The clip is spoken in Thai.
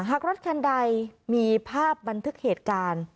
หากรถคันใดมีภาพบันทึกเหตุการณ์